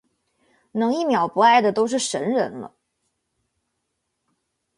能一秒不爱的都是神人了